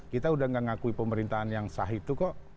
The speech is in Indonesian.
kita udah gak ngakui pemerintahan yang sah itu kok